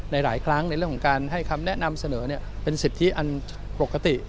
หลายครั้งในเรื่องของการให้คำแนะนำเสนอเป็นสิทธิอันปกติ